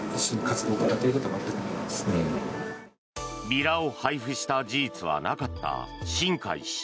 ビラを配布した事実はなかった新開氏。